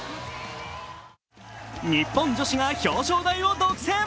日本女子が表彰台を独占。